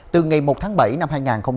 từ ngày một tháng bảy năm hai nghìn hai mươi